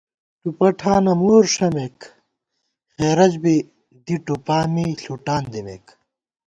ٹُوپہ ٹھانہ مہر ݭَمېک، خېرَج بی دِی ٹُوپا می ݪُٹان دِمېک